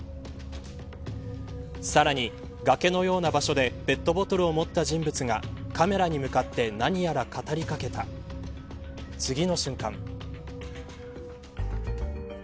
さらに、崖のような場所でペットボトルを持った人物がカメラに向かって何やら語りかけた次の瞬間。